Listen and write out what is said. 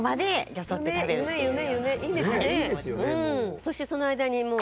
そしてその間にもう。